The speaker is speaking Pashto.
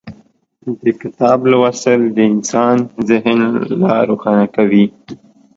د کتاب لوستل د انسان ذهن لا روښانه کوي.